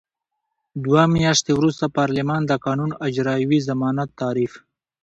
دوه میاشتې وروسته پارلمان د قانون اجرايوي ضمانت تعریف.